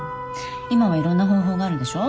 今はいろんな方法があるでしょ。